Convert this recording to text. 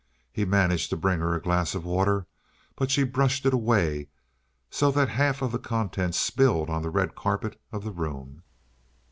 He managed to bring her a glass of water, but she brushed it away so that half of the contents spilled on the red carpet of the room.